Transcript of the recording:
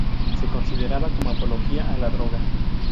Se consideraba como apología a la droga.